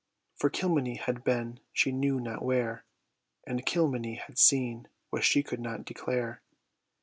For Kilmeny had been she knew not where, And Kilmeny had seen what she could not declare.